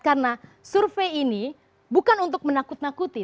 karena survei ini bukan untuk menakut nakuti